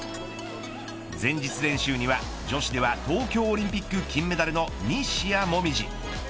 前日練習には、女子では東京オリンピック金メダルの西矢椛。